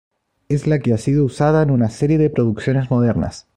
Es la que ha sido usada en una serie de producciones modernas.